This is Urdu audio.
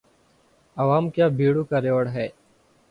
عوام کیا بھیڑوں کا ریوڑ ہے؟